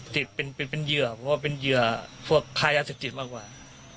จิบเป็นเหือเพราะว่าผ้าญาศิลป์จิบมากกว่า